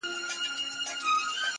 ډېر پخوا سره ټول سوي ډېر مرغان وه!.